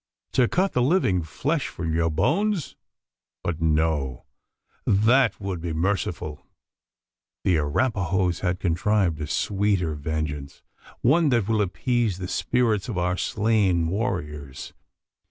To cut the living flesh from your bones? But no that would be merciful. The Arapahoes have contrived a sweeter vengeance one that will appease the spirits of our slain warriors.